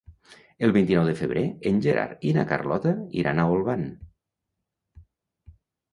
El vint-i-nou de febrer en Gerard i na Carlota iran a Olvan.